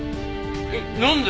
えっなんで？